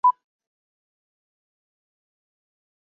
它与它的兄弟钻石光之海同样来自印度的安德拉邦。